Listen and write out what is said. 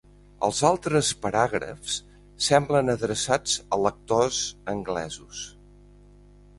Altres paràgrafs semblen adreçats a lectors anglesos.